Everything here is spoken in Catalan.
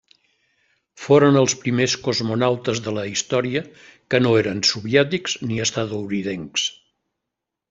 Foren els primers cosmonautes de la història que no eren soviètics ni estatunidencs.